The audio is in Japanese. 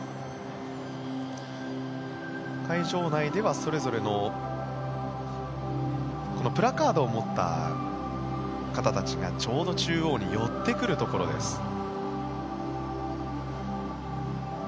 会場内ではそれぞれのこのプラカードを持った方たちがちょうど中央に寄ってくるところです。